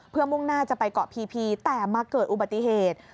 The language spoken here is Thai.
เพื่อมุ่งหน้าจะไปเกาะพีพีแต่มาเกิดอุบัติเหตุ